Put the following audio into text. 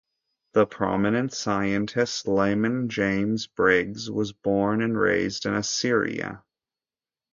The prominent scientist Lyman James Briggs was born and raised in Assyria.